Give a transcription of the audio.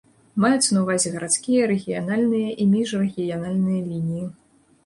Маюцца на ўвазе гарадскія, рэгіянальныя і міжрэгіянальныя лініі.